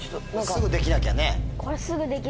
すぐできなきゃねぇ？